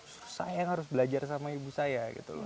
justru saya yang harus belajar sama ibu saya